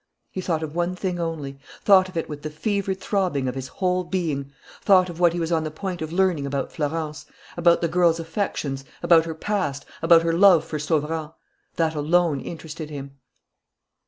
He thought of one thing only, thought of it with the fevered throbbing of his whole being, thought of what he was on the point of learning about Florence, about the girl's affections, about her past, about her love for Sauverand. That alone interested him.